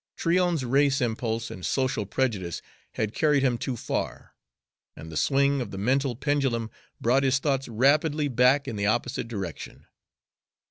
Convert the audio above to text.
Tryon's race impulse and social prejudice had carried him too far, and the swing of the mental pendulum brought his thoughts rapidly back in the opposite direction.